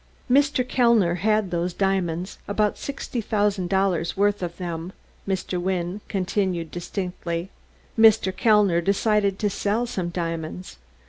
"Mr. Kellner had those diamonds about sixty thousand dollars' worth of them," Mr. Wynne continued distinctly. "Mr. Kellner decided to sell some diamonds.